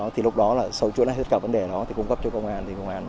thì lúc đó là sổ chủ đã thích hợp vấn đề đó thì cung cấp cho công an